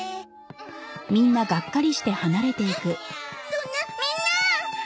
そんなみんな！